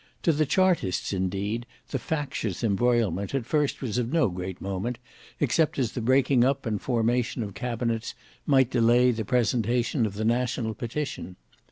To the chartists indeed the factious embroilment at first was of no great moment, except as the breaking up and formation of cabinets might delay the presentation of the National Petition.